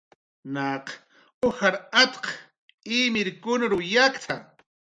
"Naq ujar at""w imkirkun yakt""a"